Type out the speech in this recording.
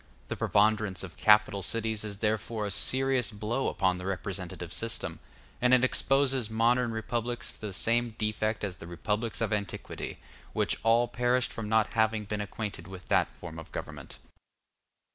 The preponderance of capital cities is therefore a serious blow upon the representative system, and it exposes modern republics to the same defect as the republics of antiquity, which all perished from not having been acquainted with that form of government.